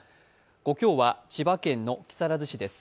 ５強は千葉県の木更津市です。